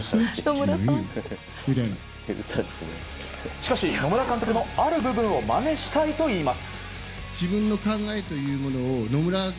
しかし野村監督のある部分をまねしたいといいます。